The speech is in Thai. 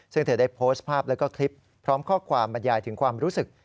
ซึ่งเธอได้โพสต์ภาพแล้วก็คลิปพร้อมข้อความบรรยายถึงความรู้สึก